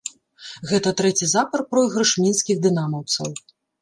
Гэта трэці запар пройгрыш мінскіх дынамаўцаў.